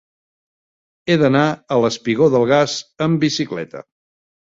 He d'anar al espigó del Gas amb bicicleta.